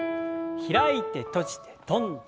開いて閉じて跳んで。